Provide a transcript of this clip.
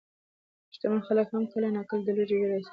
شتمن خلک هم کله ناکله د لوږې وېره احساسوي.